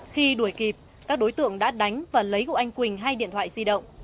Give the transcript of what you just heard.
khi đuổi kịp các đối tượng đã đánh và lấy của anh quỳnh hai điện thoại di động